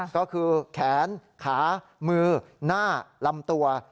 ก็คือแขนขามือหน้าลำตัว